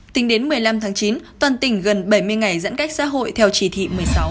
tính đến một mươi năm tháng chín toàn tỉnh gần bảy mươi ngày giãn cách xã hội theo chỉ thị một mươi sáu